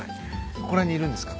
ここら辺にいるんですか？